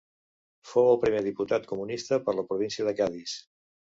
Fou el primer diputat comunista per la província de Cadis.